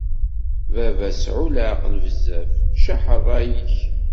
Baba sɛu leɛqel bezzaf ijaḥ ṛṛay-ik.